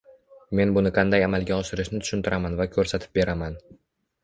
men buni qanday amalga oshirishni tushuntiraman va koʻrsatib beraman.